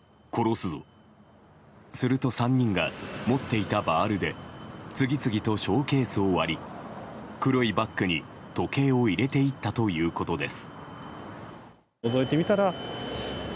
すると、３人が持っていたバールで次々とショーケースを割り黒いバッグに時計を入れていったということです。